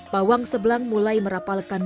pawang sebelang mulai merapalkan